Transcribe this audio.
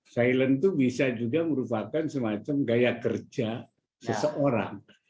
silent itu bisa juga merupakan semacam gaya kerja seseorang